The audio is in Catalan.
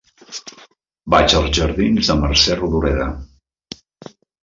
Vaig als jardins de Mercè Rodoreda.